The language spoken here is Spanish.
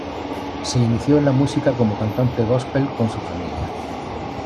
Se inició en la música como cantante gospel con su familia.